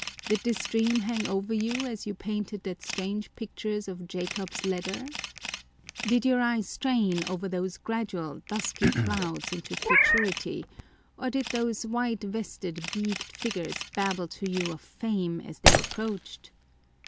â€" did this dream hang over you as you painted that strange picture of " Jacob's Ladder "? Did Genius and its Poivers. 165 your eye strain over those gradual dusky clouds into futurity, or did those white vested, beaked figures babble to you of fame as they approached